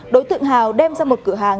đối tượng hào đem ra một cửa hàng